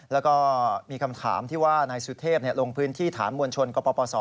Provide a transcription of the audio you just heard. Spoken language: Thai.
แล้วก็มีคำถามที่ว่านายสุเทพลงพื้นที่ถามมวลชนกปศ